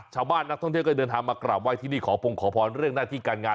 ชาวบ้านนักท่องเที่ยวก็เดินทางมากราบไห้ที่นี่ขอพงขอพรเรื่องหน้าที่การงาน